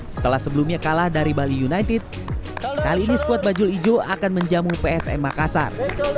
setelah sebelumnya kalah dari bali united kali ini skuad bajul ijo akan menjamu psm makassar